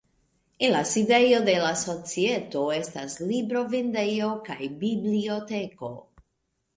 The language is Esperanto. En la sidejo de la societo estas librovendejo kaj biblioteko.